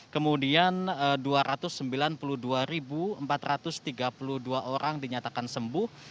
kemudian dua ratus sembilan puluh dua empat ratus tiga puluh dua orang dinyatakan sembuh